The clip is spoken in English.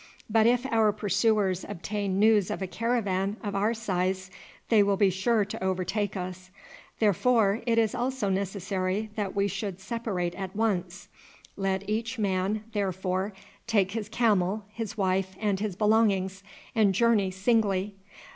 But if our pursuers obtain news of a caravan of our size they will be sure to overtake us; therefore it is also necessary that we should separate at once. Let each man, therefore, take his camel, his wife, and his belongings, and journey singly.